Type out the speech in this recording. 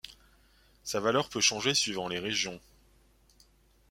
Sa valeur peut changer suivant les régions.